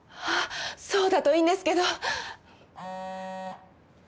そうだといいんですけど。